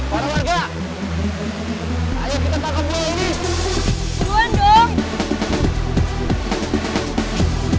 kalian kok deket banget sih